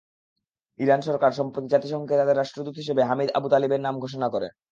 Iran সরকার সম্প্রতি জাতিসংঘে তাদের রাষ্ট্রদূত হিসেবে হামিদ আবুতালেবির নাম ঘোষণা করে।